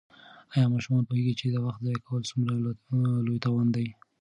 آیا ماشومان پوهېږي چې د وخت ضایع کول څومره لوی تاوان دی؟